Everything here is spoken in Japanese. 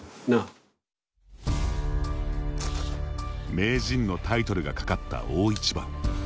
名人のタイトルがかかった大一番。